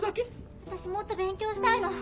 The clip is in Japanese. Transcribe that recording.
わたしもっと勉強したいの。